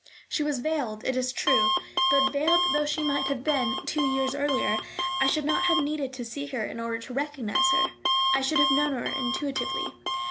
She was veiled, it is true; but, veiled though she might have been two years earlier, I should not have needed to see her in order to recognise her: I should have known her intuitively.